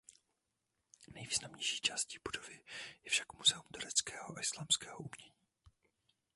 Nejvýznamnější částí budovy je však muzeum tureckého a islámského umění.